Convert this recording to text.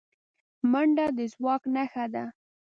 منډه د ځواک نښه ده